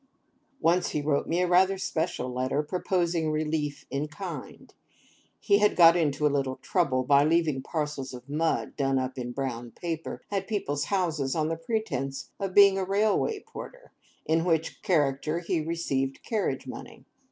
Once he wrote me rather a special letter, proposing relief in kind. He had got into a little trouble by leaving parcels of mud done up in brown paper, at people's houses, on pretence of being a Railway Porter, in which character he received carriage money.